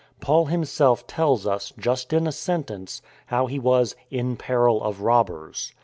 Paul himself tells us — just in a sentence — how he was " in peril of robbers."